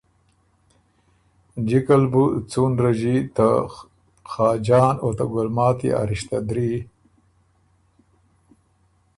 جکه ل بُو څُون رݫی ته خاجان او ته ګلماتی ا رشته دري،